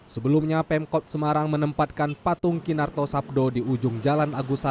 sebelumnya pemkot semarang menempatkan patung kinarto sabdo di ujung jalan